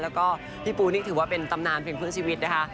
แล้วก็พี่ปูนี่ถือว่าเป็นตำนานเพียงครึ่งชีวิตนะคะ